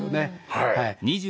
はい。